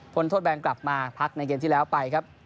โทษแบนกลับมาพักในเกมที่แล้วไปครับ